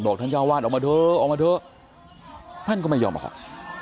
ท่านเจ้าวาดออกมาเถอะออกมาเถอะท่านก็ไม่ยอมออกมา